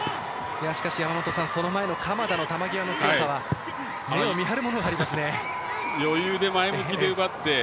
しかし山本さんその前の鎌田の球際の強さは目を見張るものがありますね。